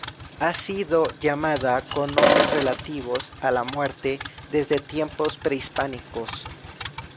Ha sido llamada con nombres relativos a la muerte desde tiempos prehispánicos.